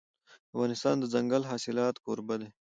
افغانستان د دځنګل حاصلات کوربه دی.